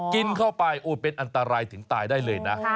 กินเข้าไปโอ้ยเป็นอันตรายถึงตายได้เลยนะ